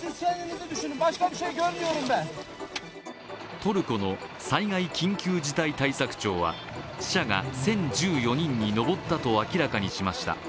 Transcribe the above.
トルコの災害事態緊急対策庁は死者が１０１４人に上ったと明らかにしました。